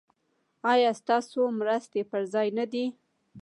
ایا ستاسو مرستې پر ځای نه دي؟